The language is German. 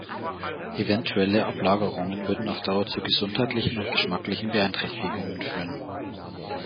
Eventuelle Ablagerungen würden auf Dauer zu gesundheitlichen und geschmacklichen Beeinträchtigungen führen.